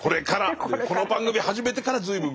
この番組始めてから随分楔は。